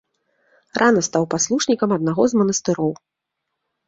Рана стаў паслушнікам аднаго з манастыроў.